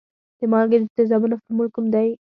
د مالګې د تیزابونو فورمول کوم دی؟